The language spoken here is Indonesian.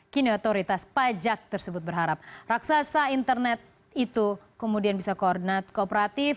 kini otoritas pajak tersebut berharap raksasa internet itu kemudian bisa koordinat kooperatif